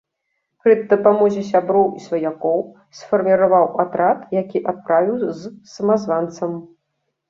Пры дапамозе сяброў і сваякоў сфарміраваў атрад, які адправіў з самазванцам.